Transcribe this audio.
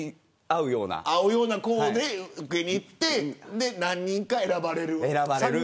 合うような子で受けに行って何人か選ばれる。